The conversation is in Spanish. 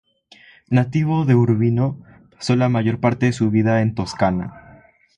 Nativo de Urbino, pasó la mayor parte de su vida en Toscana.